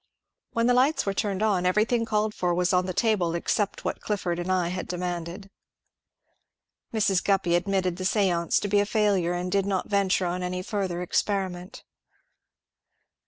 WJien the lights were turned on everything called for was on thettable except what Clifford and I had demanded. Mrs. THE LIBERAL CONGRESS 387 Gruppy admitted the stance to be a failnie, and did not ven ture on any further experiment.